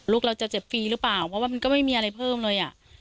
ลูกเราจะเจ็บฟรีหรือเปล่าเพราะว่ามันก็ไม่มีอะไรเพิ่มเลยอ่ะ